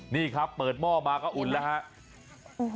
นี่ครับเปิดหม้อมาก็อุ่นแล้วครับ